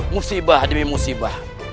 musibah demi musibah